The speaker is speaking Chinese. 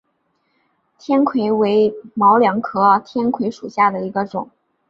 天葵为毛茛科天葵属下的一个种。